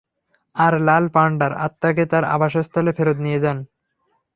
আর লাল পান্ডার আত্মাকে তার আবাসস্থলে ফেরত নিয়ে যান।